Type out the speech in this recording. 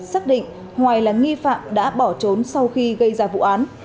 xác định hoài là nghi phạm đã bỏ trốn sau khi gây ra vụ án